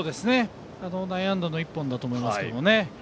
内野安打の１本だと思いますが。